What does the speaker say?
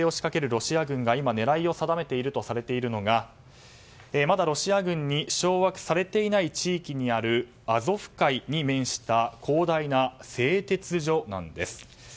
ロシア軍が今、狙いを定めているとされているのがまだロシア軍に掌握されていない地域にあるアゾフ海に面した広大な製鉄所なんです。